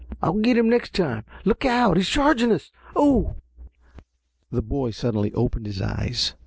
"I'll get him next time. Look out, he's charging us. Oh!" The boy suddenly opened his eyes.